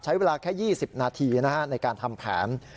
ใช้เวลาแค่๒๐นาทีในการทำแผน